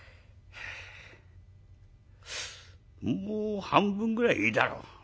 「もう半分ぐらいいいだろう。